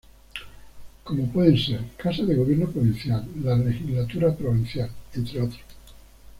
Como pueden ser: Casa de Gobierno Provincial, la Legislatura Provincial, entre otros.